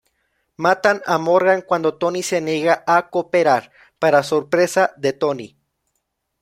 Matan a Morgan cuando Tony se niega a cooperar, para sorpresa de Tony.